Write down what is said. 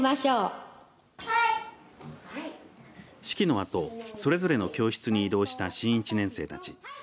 式のあと、それぞれの教室に移動した新１年生たち。